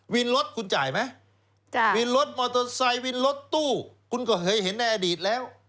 วินรถคุณจ่ายไหมจ่ายวินรถมอเตอร์ไซค์วินรถตู้คุณก็เคยเห็นในอดีตแล้ว